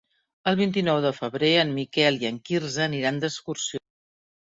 El vint-i-nou de febrer en Miquel i en Quirze aniran d'excursió.